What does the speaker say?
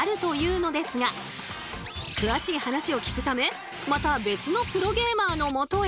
詳しい話を聞くためまた別のプロゲーマーのもとへ。